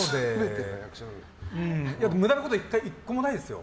無駄なこと１個もないですよ。